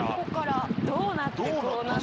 どうなってこうなったの？